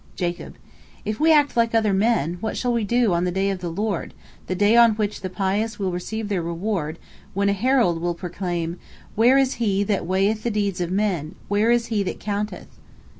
Jacob: "If we act like other men, what shall we do on the day of the Lord, the day on which the pious will receive their reward, when a herald will proclaim: Where is He that weigheth the deeds of men, where is He that counteth?"